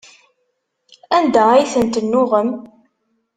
Anda ay tent-tennuɣem?